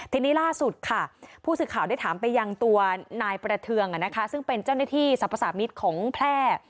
ทีนี้ล่าสุดค่ะผู้สื่อข่าวได้ถามไปยังตัวนายประเทืองซึ่งเป็นเจ้าหน้าที่สรรพสามิตรของแพร่